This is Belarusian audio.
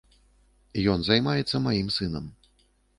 Ён займаецца маім сынам.